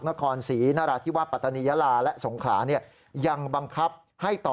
นครศรีนราธิวาสปัตตานียาลาและสงขลาเนี่ยยังบังคับให้ต่อ